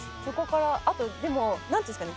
あとでもなんていうんですかね。